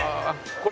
これ？